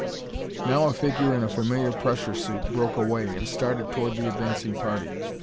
Now a figure in a familiar pressure suit broke away and started toward the advancing party.